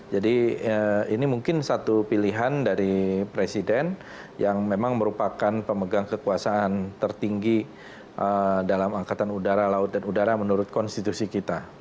jadi ini mungkin satu pilihan dari presiden yang memang merupakan pemegang kekuasaan tertinggi dalam angkatan udara laut dan udara menurut konstitusi kita